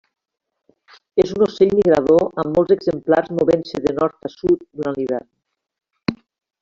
És un ocell migrador amb molts exemplars movent-se de nord a sud durant l'hivern.